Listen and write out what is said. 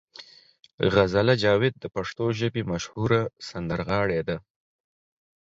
غزاله جاوید د پښتو ژبې مشهوره سندرغاړې ده.